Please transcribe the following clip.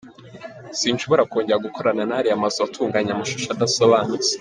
Sinshobora kongera gukorana n’ariya mazu atunganya amashusho adasobanutse”.